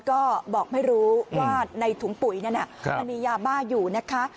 ก็บอกไม่รู้ว่าในถุงปุ๋ยนั้นมันมียาบ้าอยู่นะคะ